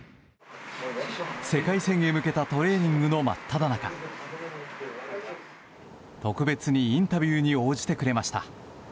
世界戦へ向けたトレーニングの真っただ中特別にインタビューに応じてくれました。